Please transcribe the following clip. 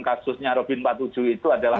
kasusnya robin empat puluh tujuh itu adalah